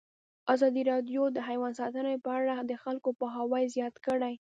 ازادي راډیو د حیوان ساتنه په اړه د خلکو پوهاوی زیات کړی.